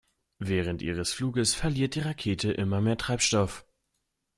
Während ihres Fluges verliert die Rakete immer mehr Treibstoff.